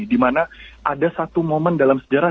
dimana ada satu momen dalam sejarah